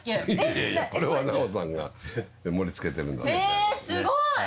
えすごい。